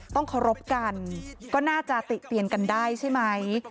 เคารพกันก็น่าจะติเตียนกันได้ใช่ไหม